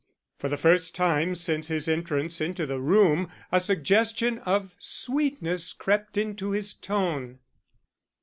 For the first time since his entrance into the room a suggestion of sweetness crept into his tone.